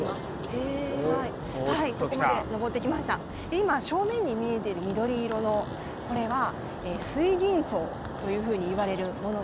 今正面に見えている緑色のこれは水銀槽というふうに言われるもので。